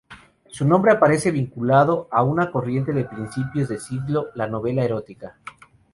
Su nombre aparece vinculado a una corriente de principios de siglo: la novela erótica.